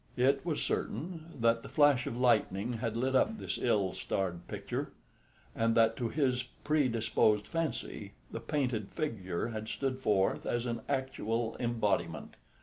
It was certain that the flash of lightning had lit up this ill starred picture, and that to his predisposed fancy the painted figure had stood forth as an actual embodiment.